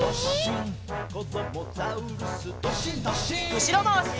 うしろまわし。